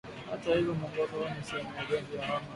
Hata hivyo mwongozo huu ni sehemu ya jozi au awamu tatu